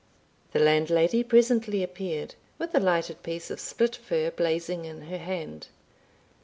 The landlady presently appeared, with a lighted piece of split fir blazing in her hand.